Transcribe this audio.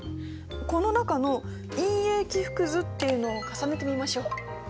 この中の「陰影起伏図」っていうのを重ねてみましょう。